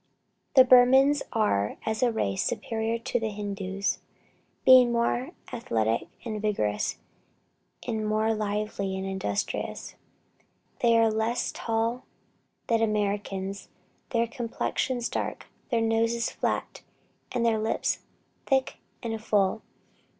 The Burmans are, as a race, superior to the Hindoos, being more athletic and vigorous, and more lively and industrious. They are less tall than Americans, their complexions dark, their noses flat, and their lips thick and full.